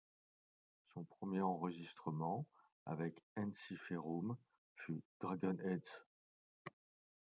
Son premier enregistrement avec Ensiferum fut Dragonheads.